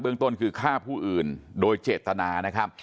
เบื้องต้นคือฆ่าผู้อื่นโดยเจตนา